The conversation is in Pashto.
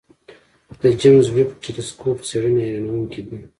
د جیمز ویب ټېلسکوپ څېړنې حیرانوونکې دي.